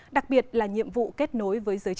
đặc biệt là nhiệm vụ kết nối với giới trẻ